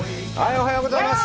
おはようございます。